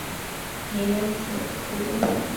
宁有子胡虔。